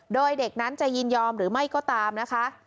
โดยเด็กนั้นจะยินยอมหรือไม่ก็ตามนะคะ